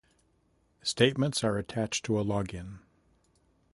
Statements are attached to a login